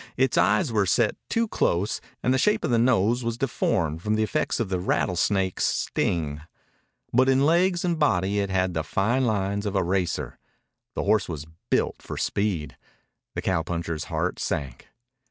Its eyes were set too close, and the shape of the nose was deformed from the effects of the rattlesnake's sting. But in legs and body it had the fine lines of a racer. The horse was built for speed. The cowpuncher's heart sank.